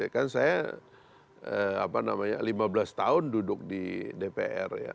kan saya lima belas tahun duduk di dpr ya